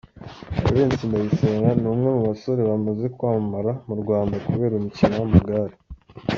Valens Ndayisenga ni umwe mu basore bamaze kwamamara mu Rwanda kubera umukino w’amagare.